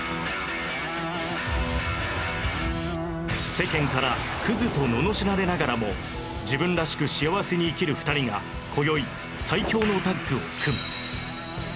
世間からクズとののしられながらも自分らしく幸せに生きる２人が今宵最強のタッグを組む